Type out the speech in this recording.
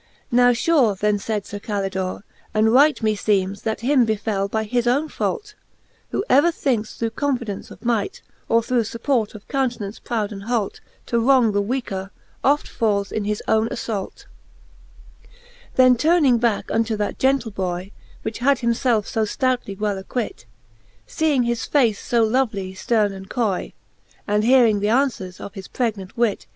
Now fure, then faid Sir Calidore, and right Me feemcs, that him befell by his owne fault: Who ever thinkes through confidence of might, Or through fupport of count'nance proud and hault,. To wrong the weaker, oft falles in his owne aflault,. XXIV Then i3<> The fisth Booke of Cant. IE XXIV. ^ Then turning backe unto that gentle boy, Which him himlelfe fo ftoutly well acquitj Seeing his face io lovely fterne and coy, And hearing th'anfweres of his pregnant wit.